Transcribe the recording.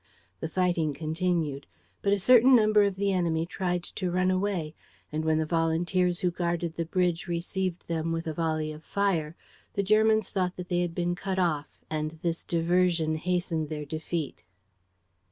The fighting continued. But a certain number of the enemy tried to run away; and, when the volunteers who guarded the bridge received them with a volley of fire, the Germans thought that they had been cut off; and this diversion hastened their defeat.